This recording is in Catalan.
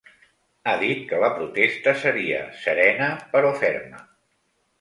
Ha dit que la protesta seria ‘serena, però ferma’.